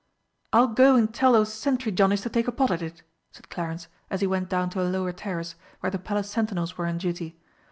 "I'll go and tell those sentry johnnies to take a pot at it," said Clarence, as he went down to a lower terrace, where the Palace sentinels were on duty.